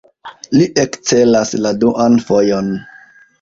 Li ekcelas la duan fojon.